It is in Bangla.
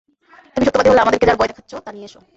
তুমি সত্যবাদী হলে আমাদেরকে যার ভয় দেখাচ্ছ, তা নিয়ে এস!